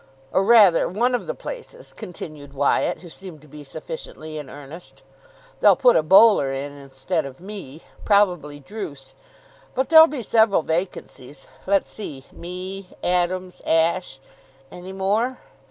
"Or, rather, one of the places," continued Wyatt, who seemed to be sufficiently in earnest. "They'll put a bowler in instead of me. Probably Druce. But there'll be several vacancies. Let's see. Me. Adams. Ashe. Any more?